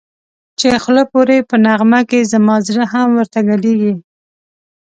چی خوله پوری په نغمه کی زما زړه هم ورته گډېږی